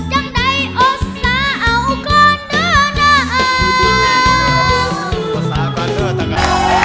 ยังได้อสราของก่อนเด้อหน้า